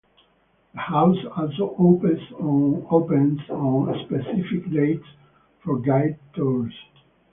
The House also opens on specific dates for guided tours.